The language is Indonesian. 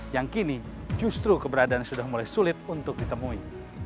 yang kini justru keberadaannya sudah mulai sulit untuk ditemui